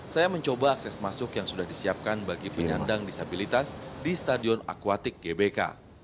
saya mencoba akses masuk yang sudah disiapkan bagi penyandang disabilitas di stadion akwatik gbk